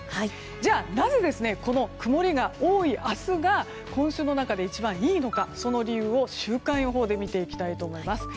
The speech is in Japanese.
じゃあ、なぜ、曇りが多い明日が今週の中で一番いいのかその理由を週間予報で見ていきたいと思います。